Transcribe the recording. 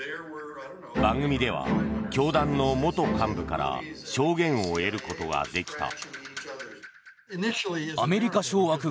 番組では教団の元幹部から証言を得ることができた。